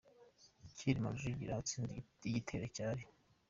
Cyilima Rujugira atsinze igitero cyari.